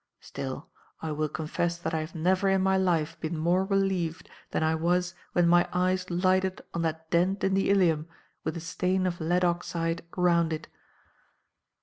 Still, I will confess that I have never in my life been more relieved than I was when my eyes lighted on that dent in the ilium with the stain of lead oxide round it."